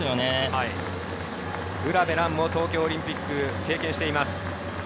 卜部蘭も東京オリンピック経験しています。